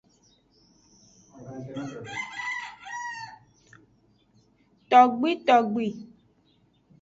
Togbitogbi.